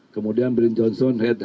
kemudian brin johnson head